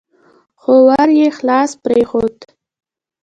خو ور يې خلاص پرېښود.